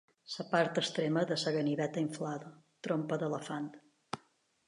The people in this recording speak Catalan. La part extrema de la ganiveta inflada. Trompa d'elefant.